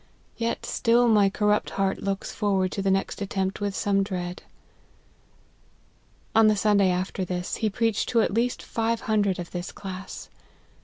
Yet still my corrupt heart looks forward to the next attempt with some dread." On the Sunday after this, he preached to at least five hundred of this class.